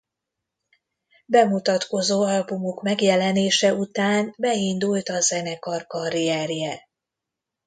Bemutatkozó albumuk megjelenése után beindult a zenekar karrierje.